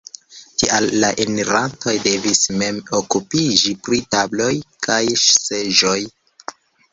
Tial la enirantoj devis mem okupiĝi pri tabloj kaj seĝoj.